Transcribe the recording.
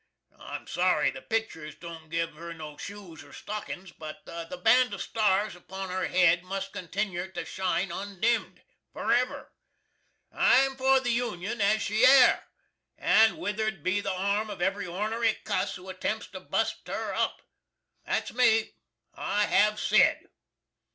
I'm sorry the picters don't give her no shoes or stockins, but the band of stars upon her hed must continner to shine undimd, forever. I'm for the Union as she air, and withered be the arm of every ornery cuss who attempts to bust her up. That's me. I hav sed!